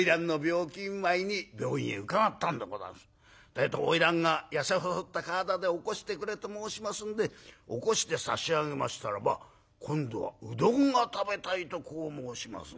えと花魁が痩せ細った体で起こしてくれと申しますんで起こして差し上げましたらば今度はうどんが食べたいとこう申します。